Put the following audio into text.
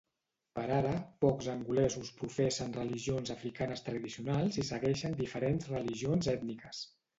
Per ara pocs angolesos professen religions africanes tradicionals i segueixen diferents religions ètniques.